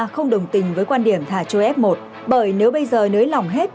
không đồng tình với quan điểm thả trôi f một bởi nếu bây giờ nới lỏng hết